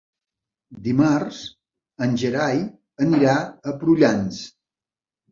Dimarts en Gerai anirà a Prullans.